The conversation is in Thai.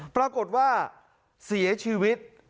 ปรากฏว่าเสียชีวิต